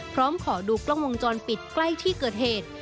พร้อมขอดูกล้องวงจรปิดใกล้ที่เกิดเหตุ